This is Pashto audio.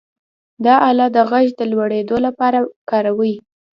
دا آله د غږ د لوړېدو لپاره کاروي.